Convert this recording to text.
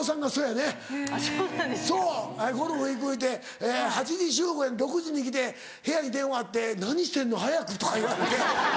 ゴルフ行くいうて８時集合やのに６時に来て部屋に電話あって「何してんの？早く」とか言われて。